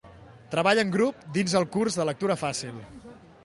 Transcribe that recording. Treball en grup dins el curs de Lectura Fàcil.